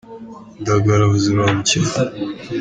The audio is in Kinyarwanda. indagara baziroba mu kivu